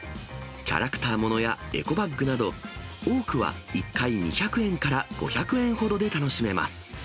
キャラクター物やエコバッグなど、多くは１回２００円から５００円ほどで楽しめます。